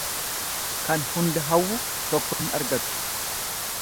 Kan hunda hawwu tokko hin argatu.